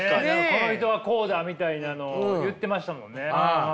この人はこうだみたいなのを言ってましたもんね。